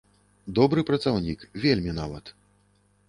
Добры працаўнік, вельмі нават.